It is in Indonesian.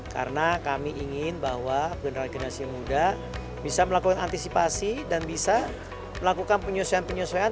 karena kami ingin bahwa generasi muda bisa melakukan antisipasi dan bisa melakukan penyusuan penyusuan